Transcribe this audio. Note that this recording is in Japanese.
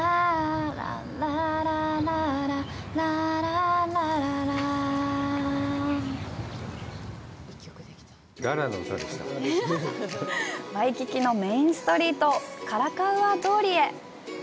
ラララララワイキキのメインストリート、カラカウア通りへ。